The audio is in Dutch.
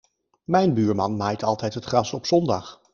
Mijn buurman maait altijd het gras op zondag.